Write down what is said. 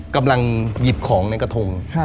กำลังหยิบของในกระทง